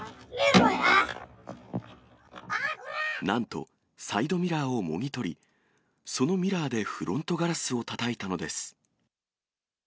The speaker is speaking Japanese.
なんと、サイドミラーをもぎ取り、そのミラーでフロントガラスをたたいたのです。